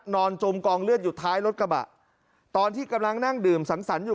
จมกองเลือดอยู่ท้ายรถกระบะตอนที่กำลังนั่งดื่มสังสรรค์อยู่